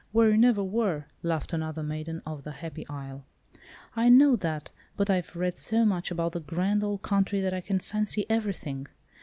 "Where you never were," laughed another maiden of the happy isle. "I know that, but I've read so much about the grand old country that I can fancy everything.